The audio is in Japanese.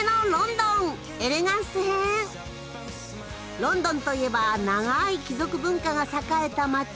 ロンドンといえば長い貴族文化が栄えた町。